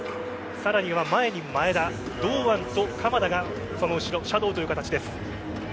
さらには前に前田堂安と鎌田がその後ろシャドーという形です。